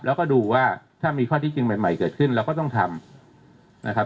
แล้วก็ดูว่าถ้ามีข้อที่จริงใหม่เกิดขึ้นเราก็ต้องทำนะครับ